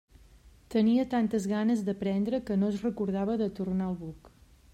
Tenia tantes ganes d'aprendre que no es recordava de tornar al buc.